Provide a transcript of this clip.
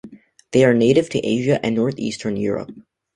They are native to Asia and northeastern Europe.